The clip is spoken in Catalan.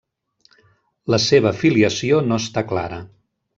La seva filiació no està clara.